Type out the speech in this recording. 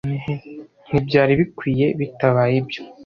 Ntibyari bikwiye bitabaye ibyo